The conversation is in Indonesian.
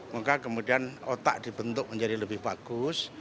maka kemudian otak dibentuk menjadi lebih bagus